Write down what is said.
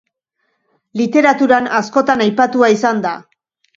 Literaturan askotan aipatua izan da.